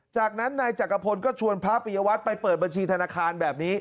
จากนั้นนายจักรพลก็ชวนพระปิยวัตรไปเปิดบัญชีธนาคารแบบนี้